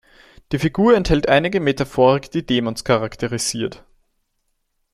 Die Figur enthält einige Metaphorik, die Daemons charakterisiert.